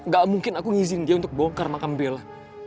gak mungkin aku ngizin dia untuk bongkar makam bella